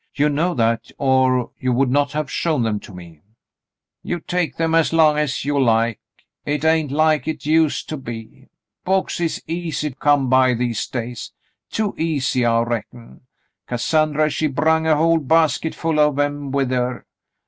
You know that, or you would not have shown them to me," "You take them as long as you like. Hit ain't like hit used to be. Books is easy come by these days — too easy, I reckon. Cassandrj^ she brung a whole basketful of 'em with her.